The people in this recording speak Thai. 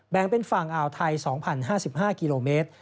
เป็นฝั่งอ่าวไทย๒๐๕๕กิโลเมตร